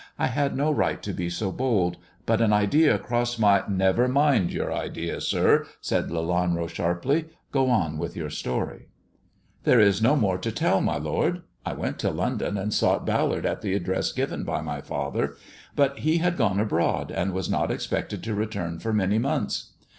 "I had no right to be so bold; but an idea ^^ossed my "Never mind your idea, sir!" said Lelanro sharply. Go on with your story." 76 THE dwarf's CHAMBER " There is no more to tell, my lord. I went to London and sought Ballard at the address given by my father ; but he had gone abroad, and was not expected to return for many months.